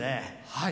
はい。